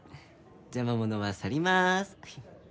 邪魔者は去ります！